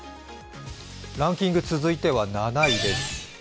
ランキング続いては７位です